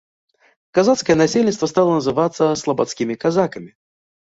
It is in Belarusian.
Казацкае насельніцтва стала называцца слабадскімі казакамі.